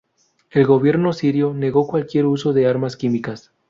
El gobierno sirio negó cualquier uso de armas químicas.